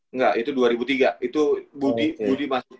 enggak itu dua ribu tiga itu budi budi masuk